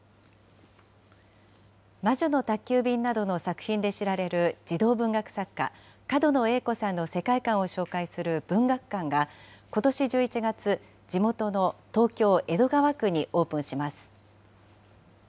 魔女の宅急便などの作品で知られる児童文学作家、角野栄子さんの世界観を紹介する文学館がことし１１月、地元の東京・江戸川区にオープンします。